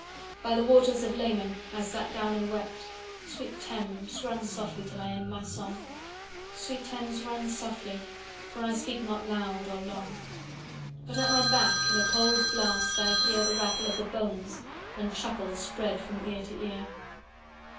By the waters of Leman I sat down and wept… Sweet Thames, run softly till I end my song, Sweet Thames, run softly, for I speak not loud or long. But at my back in a cold blast I hear 185 The rattle of the bones, and chuckle spread from ear to ear.